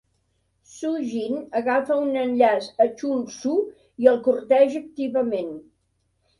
Su-jin agafa un enllaç a Chul-soo i el corteja activament.